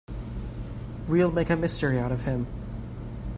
We'll make a mystery out of him.